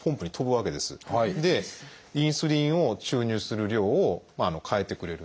インスリンを注入する量を変えてくれる。